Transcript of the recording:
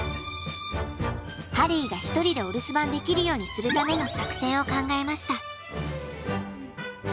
ハリーが一人でお留守番できるようにするための作戦を考えました。